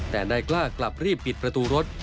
แต่นายกล้ากลับรีบปิดประตูรถ